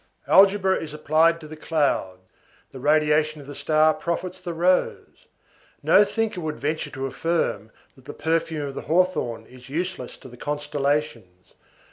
Algebra is applied to the clouds; the radiation of the star profits the rose; no thinker would venture to affirm that the perfume of the hawthorn is useless to the constellations.